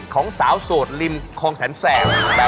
ของสาวโสดลิมครองแสง